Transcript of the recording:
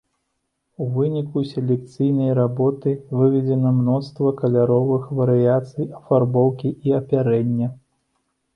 У выніку селекцыйнай работы выведзена мноства каляровых варыяцый афарбоўкі і апярэння.